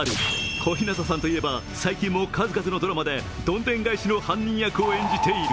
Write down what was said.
小日向さんといえば最近も数々のドラマでどんでん返しの犯人役を演じている。